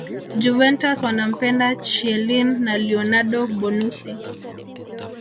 Juventus wanampenda Chielin na Leonardo Bonucci